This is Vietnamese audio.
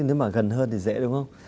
nếu mà gần hơn thì dễ đúng không